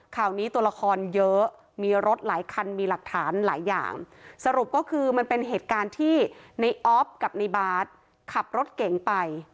ข่าวนี้ตัวละครเยอะมีรถหลายคันมีหลักฐานหลายอย่างสรุปก็คือมันเป็นเหตุการณ์ที่ในออฟกับในบาร์ดขับรถเก๋งไป